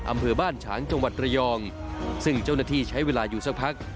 อำเภอบ้านฉางจังหวัดระยองซึ่งเจ้าหน้าที่ใช้เวลาอยู่สักพัก